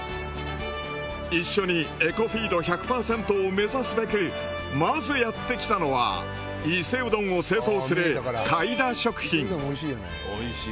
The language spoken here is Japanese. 一緒にエコフィード１００％を目指すべくまずやってきたのは伊勢うどんを製造するかいだ食品。